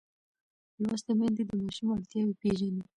لوستې میندې د ماشوم اړتیاوې پېژني.